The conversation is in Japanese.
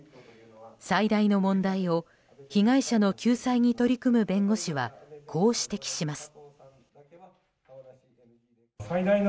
最大の問題を被害者の救済に取り組む弁護士はこう指摘します。